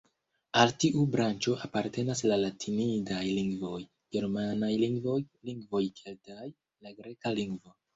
Al tiu branĉo apartenas la latinidaj lingvoj, ĝermanaj lingvoj, lingvoj keltaj, la greka lingvo.